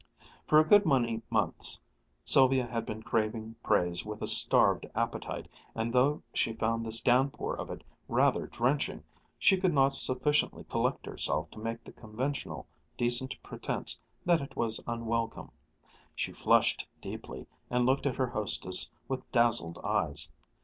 For a good many months Sylvia had been craving praise with a starved appetite, and although she found this downpour of it rather drenching, she could not sufficiently collect herself to make the conventional decent pretense that it was unwelcome. She flushed deeply and looked at her hostess with dazzled eyes.